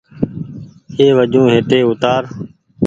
اي وجون هيٽي اوتآر ۔